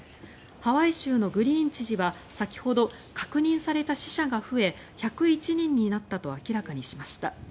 ハワイ州のグリーン知事は先ほど確認された死者が増え１０１人になったと明らかにしました。